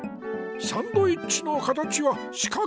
サンドイッチの形はしかく？